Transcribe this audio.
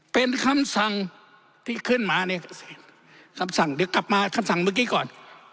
เป็นคำสั่งที่ขึ้นมาในคำสั่งเดี๋ยวกลับมาคำสั่งเมื่อกี้ก่อน